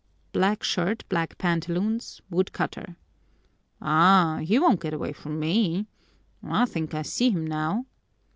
"Black shirt, black pantaloons, wood cutter." "Aha, he won't get away from me! I think I see him now."